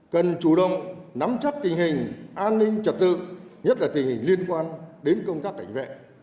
cần chủ động nắm chắc tình hình an ninh trật tự nhất là tình hình liên quan đến công tác cảnh vệ